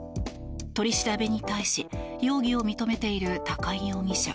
取り調べに対し容疑を認めている高井容疑者。